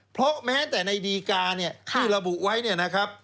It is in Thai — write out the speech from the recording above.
เพราะแม้แต่ในดีการี่ที่ระบุไว้นะครับ